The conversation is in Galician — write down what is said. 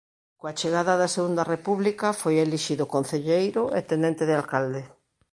Coa chegada da Segunda República foi elixido concelleiro e tenente de alcalde.